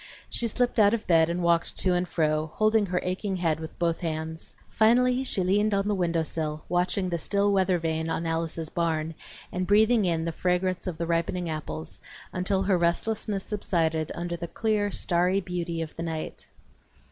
She slipped out of bed and walked to and fro, holding her aching head with both hands. Finally she leaned on the window sill, watching the still weather vane on Alice's barn and breathing in the fragrance of the ripening apples, until her restlessness subsided under the clear starry beauty of the night.